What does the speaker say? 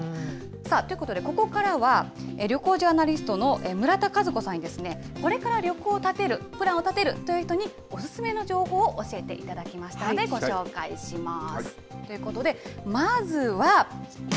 さあ、ということでここからは、旅行ジャーナリストの村田和子さんに、これから旅行を立てる、プランを立てるという人にお勧めの情報を教えていただきましたので、ご紹介します。